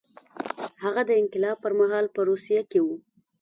هغه د انقلاب پر مهال په روسیه کې و.